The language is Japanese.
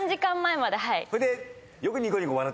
それで。